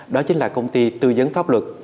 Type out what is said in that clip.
đó chính là công ty tư dấn pháp luật